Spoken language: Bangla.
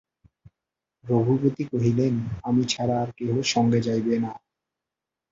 রঘুপতি কহিলেন, আমি ছাড়া আর কেহ সঙ্গে যাইবে না।